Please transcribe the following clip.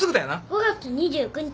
５月２９日だよ。